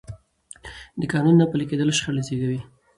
د قانون نه پلي کېدل شخړې زېږوي